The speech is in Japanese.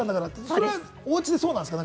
それはおうちでそうなんですか？